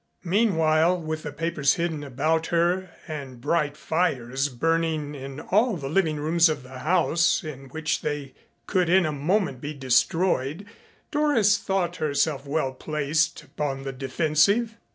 Meanwhile, with the papers hidden about her and bright fires burning in all the living rooms of the house in which they could in a moment be destroyed, Doris thought herself well placed upon the defensive.